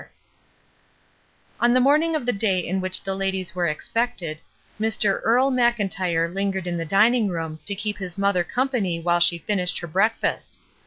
AN EMINENTLY SENSIBLE PERSON 395 On the morning of the day in which the ladies were expected, Mr. Earle Mclntyre hngered in the dining room to keep his mother company while she finished her breakfast.